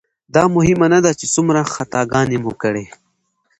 دا مهمه نه ده چې څومره خطاګانې مو کړي.